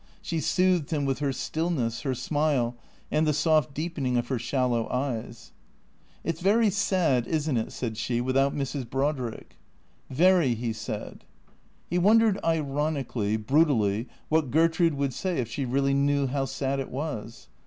She soothed him with her stillness, her smile, and the soft deepening of her shallow eyes. " It 's very sad, is n't it," said she, " without Mrs. Brodrick ?"" Very," he said. He wondered ironically, brutally, what Gertrude would say if she really know how sad it was.